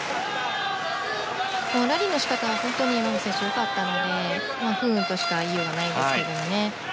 ラリーの仕方は山口選手、良かったので不運としか言いようがないんですけどね。